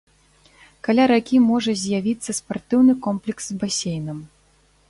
Каля ракі можа з'явіцца спартыўны комплекс з басейнам.